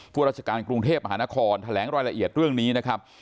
ราชการกรุงเทพมหานครแถลงรายละเอียดเรื่องนี้นะครับ